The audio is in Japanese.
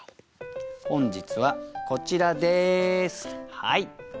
本日はこちらです。